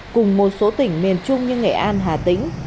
cùng một số tỉnh miền trung như nghệ an hà tĩnh